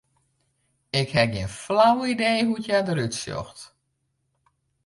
Ik ha gjin flau idee hoe't hja derút sjocht.